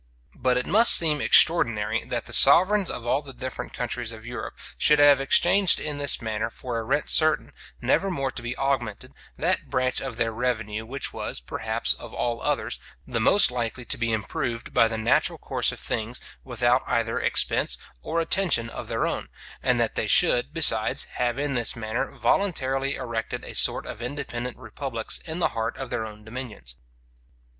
But it must seem extraordinary, that the sovereigns of all the different countries of Europe should have exchanged in this manner for a rent certain, never more to be augmented, that branch of their revenue, which was, perhaps, of all others, the most likely to be improved by the natural course of things, without either expense or attention of their own; and that they should, besides, have in this manner voluntarily erected a sort of independent republics in the heart of their own dominions.